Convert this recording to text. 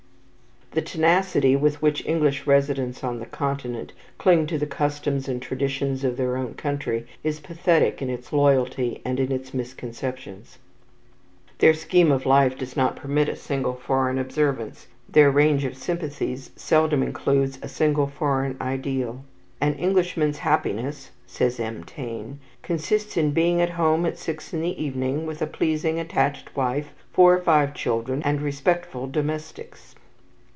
The tenacity with which English residents on the Continent cling to the customs and traditions of their own country is pathetic in its loyalty and in its misconceptions. Their scheme of life does not permit a single foreign observance, their range of sympathies seldom includes a single foreign ideal. "An Englishman's happiness," says M. Taine, "consists in being at home at six in the evening, with a pleasing, attached wife, four or five children, and respectful domestics."